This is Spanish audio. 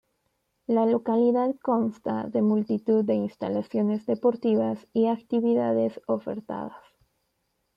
La localidad consta de multitud de instalaciones deportivas y actividades ofertadas.